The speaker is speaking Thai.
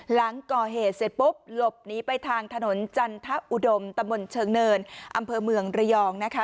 หลังก่อเหตุเสร็จปุ๊บหลบหนีไปทางถนนจันทอุดมตะมนต์เชิงเนินอำเภอเมืองระยองนะคะ